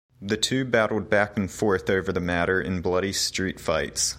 The two battled back and forth over the matter in bloody street fights.